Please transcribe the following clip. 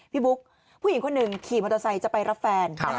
บุ๊คผู้หญิงคนหนึ่งขี่มอเตอร์ไซค์จะไปรับแฟน